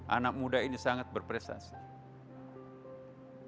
anak muda ini sangat berprestasi